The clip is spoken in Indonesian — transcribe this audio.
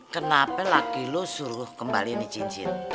kenapa laki lu suruh kembalian nih cincin